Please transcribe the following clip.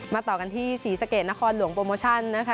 ต่อกันที่ศรีสะเกดนครหลวงโปรโมชั่นนะคะ